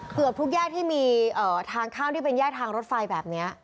เกือบทุกแยกที่มีทางเข้าที่เป็นแยกทางรถไฟแบบนี้